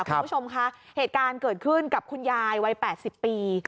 คุณผู้ชมคะเหตุการณ์เกิดขึ้นกับคุณยายวัย๘๐ปี